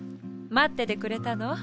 まっててくれたの？